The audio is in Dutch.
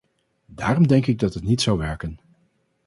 Daarom denk ik dat het niet zou werken.